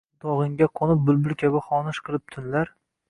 Butog’ingga qo’nib bulbul kabi xonish qilib tunlar